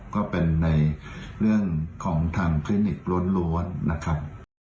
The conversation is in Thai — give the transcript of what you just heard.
ก็เป็นในเรื่องของทางคลินิกล้วนนะครับ